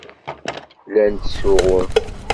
Llan ttsuɣun.